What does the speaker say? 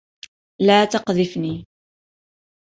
لا تقذفني.